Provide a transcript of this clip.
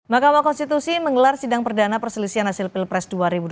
mahkamah konstitusi menggelar sidang perdana perselisihan hasil pilpres dua ribu dua puluh